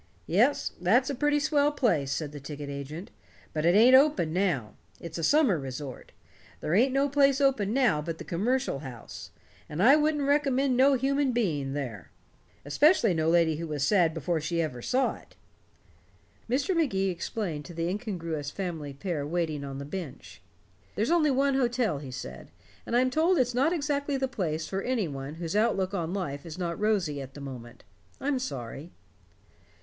"Yes, that's a pretty swell place," said the ticket agent. "But it ain't open now. It's a summer resort. There ain't no place open now but the Commercial House. And I wouldn't recommend no human being there especially no lady who was sad before she ever saw it." Mr. Magee explained to the incongruous family pair waiting on the bench. "There's only one hotel," he said, "and I'm told it's not exactly the place for any one whose outlook on life is not rosy at the moment. I'm sorry."